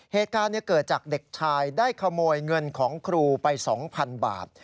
เหตุการณ์เกิดจากเด็กชายได้ขโมยเงินของครูไป๒๐๐๐บาท